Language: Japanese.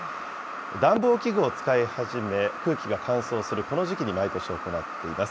暖房器具を使い始め、空気が乾燥するこの時期に毎年行っています。